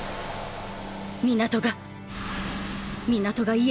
港が！！